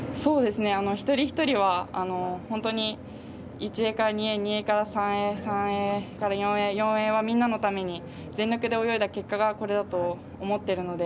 一人ひとりは本当に、１泳から２泳２泳から３泳３泳から４泳４泳はみんなのために全力で泳いだ結果がこれだと思っているので。